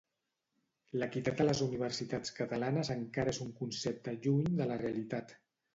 L'equitat a les universitats catalanes encara és un concepte lluny de la realitat.